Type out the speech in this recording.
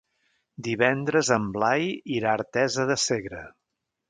Divendres en Blai irà a Artesa de Segre.